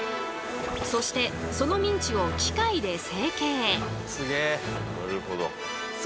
そしてそのミンチを機械で成形。